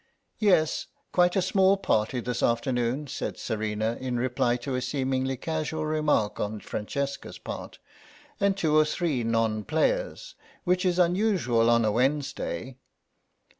"Yes, quite a small party this afternoon," said Serena, in reply to a seemingly casual remark on Francesca's part; "and two or three non players, which is unusual on a Wednesday.